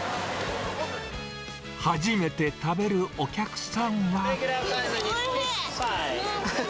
初めて食べるお客さんは。